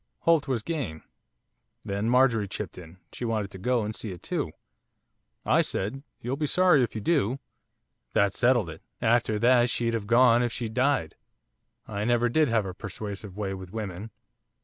Holt was game then Marjorie chipped in she wanted to go and see it too. I said, "You'll be sorry if you do," that settled it! After that she'd have gone if she'd died, I never did have a persuasive way with women.